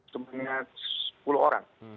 sebanyak sepuluh orang